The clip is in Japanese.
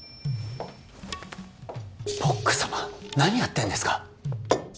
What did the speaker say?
ＰＯＣ様何やってんですか？